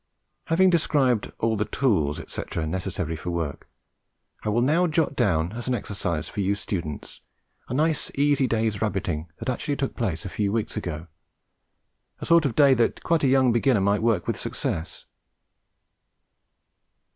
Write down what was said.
Having described all the tools, etc., necessary for work, I will now jot down, as an exercise for you students, a nice easy day's rabbiting that actually took place a few weeks ago a sort of day that quite a young beginner might work with success.